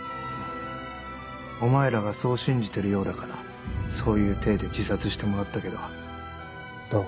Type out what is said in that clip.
お前らがそう信じてるようだからそういう体で自殺してもらったけどどう？